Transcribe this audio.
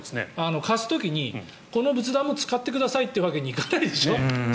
貸す時にこの仏壇も使ってくださいというわけにいかないでしょう。